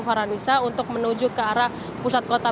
para nisa untuk menuju ke arah pusat kota